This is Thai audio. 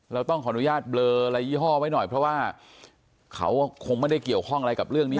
เราต้องขออนุญาตเบลออะไรยี่ห้อไว้หน่อยเพราะว่าเขาคงไม่ได้เกี่ยวข้องอะไรกับเรื่องนี้